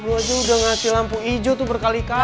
gue aja udah ngasih lampu ijo tuh berkali kali